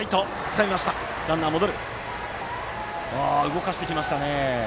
動かしてきましたね。